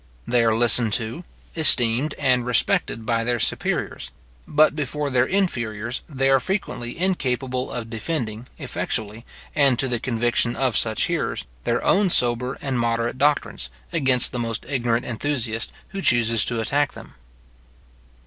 They are listened to, esteemed, and respected by their superiors; but before their inferiors they are frequently incapable of defending, effectually, and to the conviction of such hearers, their own sober and moderate doctrines, against the most ignorant enthusiast who chooses to attack them.